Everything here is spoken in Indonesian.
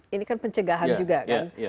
ini kan pencegahan juga kan